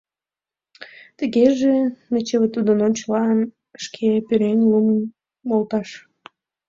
Тыгеже, нечыве тудын ончылан шке пӧръеҥ лӱмым волташ.